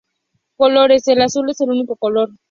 Colores: el azul es el único color.